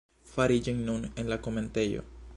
Faru ĝin nun en la komentejo